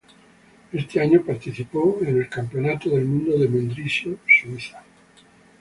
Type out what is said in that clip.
Ese año participó del Campeonato del Mundo de Mendrisio, Suiza.